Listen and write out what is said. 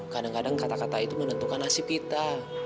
kadang kadang kata kata itu menentukan nasib kita